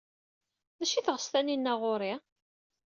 D acu ay teɣs Taninna ɣer-i?